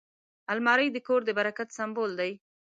الماري د کور د برکت سمبول دی